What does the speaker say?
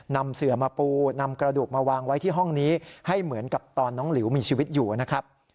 นำเสือมาปูนำกระดูกมาวางไว้ที่ห้องนี้ให้เหมือนกับตอนน้องหลิวมีชีวิตอยู่นะครับ